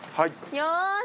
よし。